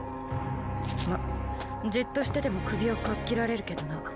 まっじっとしてても首をかっ切られるけどな。